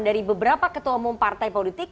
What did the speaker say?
dari beberapa ketua umum partai politik